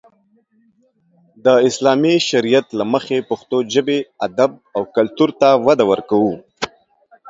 د اسلامي شريعت له مخې پښتو ژبې، ادب او کلتور ته وده ورکو.